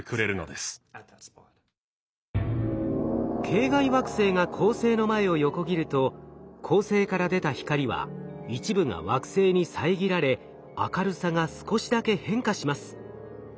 系外惑星が恒星の前を横切ると恒星から出た光は一部が惑星に遮られ明るさが少しだけ変化します。